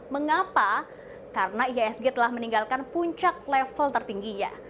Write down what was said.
mengapa karena ihsg telah meninggalkan puncak level tertingginya